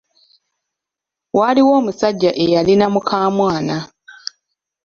Waaliwo omusajja eyalina mukamwana.